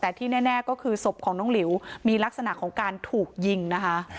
แต่ที่แน่ก็คือศพของน้องหลิวมีลักษณะของการถูกยิงนะคะ